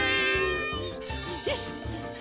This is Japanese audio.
よし！